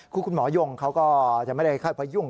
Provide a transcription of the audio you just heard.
คุณหมอยงเขาก็จะไม่ได้เข้าในความยุ่ง